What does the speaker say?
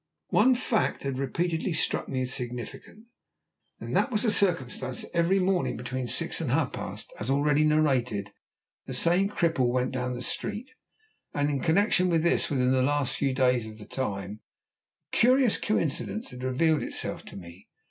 One fact had repeatedly struck me as significant, and that was the circumstance that every morning between six and half past, as already narrated, the same cripple went down the street; and in connexion with this, within the last few days of the time, a curious coincidence had revealed itself to me.